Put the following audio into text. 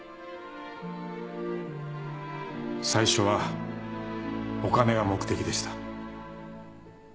最初はお金が目的でした。